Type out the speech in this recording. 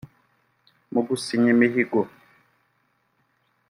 Mu gusinya imihigo